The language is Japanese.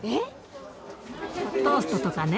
トーストとかね。